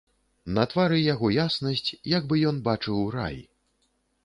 На твары яго яснасць, як бы ён бачыў рай.